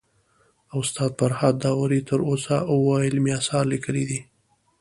استاد فرهاد داوري تر اوسه اوه علمي اثار ليکلي دي